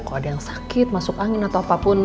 kalau ada yang sakit masuk angin atau apapun